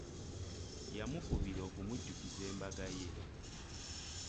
Yamukubira okumujjukiza embaga ye.